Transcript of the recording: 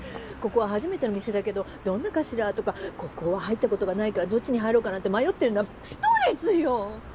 ここは初めての店だけどどんなかしら？とかここは入ったことがないからどっちに入ろうかなんて迷ってるのはストレスよ！